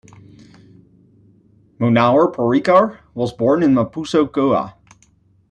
Manohar Parrikar was born in Mapusa, Goa.